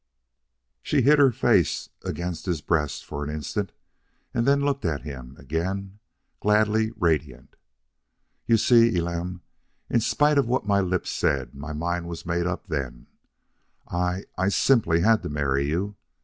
She hid her face against his breast for an instant, and then looked at him again, gladly radiant. "You see, Elam, in spite of what my lips said, my mind was made up then. I I simply had to marry you.